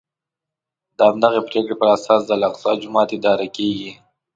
د همدغې پرېکړې په اساس د الاقصی جومات اداره کېږي.